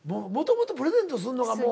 もともとプレゼントするのが。